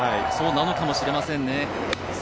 そうなのかもしれませんね。